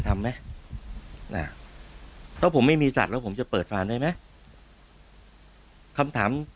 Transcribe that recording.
ทำไหมน่ะถ้าผมไม่มีสัตว์แล้วผมจะเปิดฟาร์มได้ไหมคำถาม